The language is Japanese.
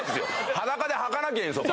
裸ではかなきゃいいんすよ